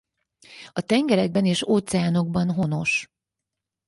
A tengerekben és óceánokban honos.